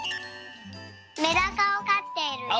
メダカをかっているよ。